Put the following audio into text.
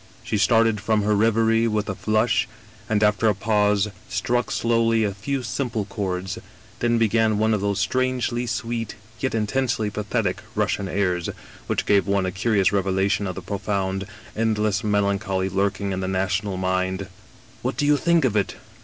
" She started from her reverie with a flush, and after a pause struck slowly a few simple chords, then began one of those strangely sweet, yet intensely pathetic Russian airs, which give one a curious revelation of the profound, endless melancholy lurking in the national mind. 126 Egerton Castle "*What do you think of it?'